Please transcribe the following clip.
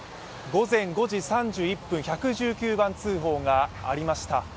午前５時３１分、１１９番通報がありました。